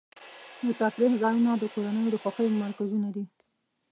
د تفریح ځایونه د کورنیو د خوښۍ مرکزونه دي.